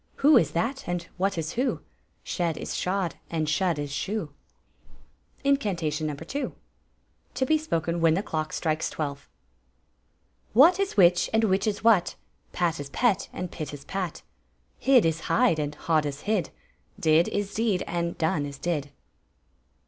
Who is that, and what is who ; Shed is shod, and shud is shoe ! Incant" 'on No. 2. (To be spoken when the clock strikes twelve.) What is which, and which is what ; Pat is pet, and pit is pat; Hid is hide, and hod is hid; Did is deed, and done is did!